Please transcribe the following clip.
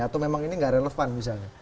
atau memang ini nggak relevan misalnya